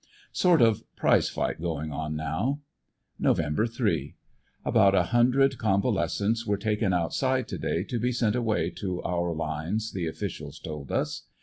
Sort of prize fight going on now. JNov. 3. — About a hundred convalescents were taken outside to day to be sent away to our lines the officials told us.